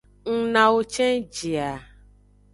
Ng nawo cenji a.